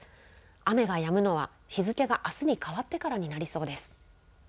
雨がやむのは日付があすに変わってからになりそうです。